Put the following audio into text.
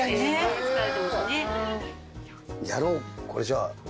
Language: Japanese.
やろうこれじゃあ。